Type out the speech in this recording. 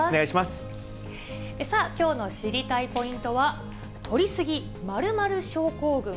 さあ、きょうの知りたいポイントは、とり過ぎ○○症候群。